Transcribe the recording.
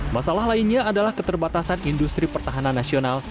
masalah lainnya adalah keterbatasan industri pertahanan nasional